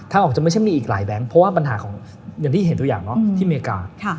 ถ้าออกจะไม่ใช่มีอีกหลายแบงค์เพราะว่าปัญหาของอย่างที่เห็นตัวอย่างที่อเมริกา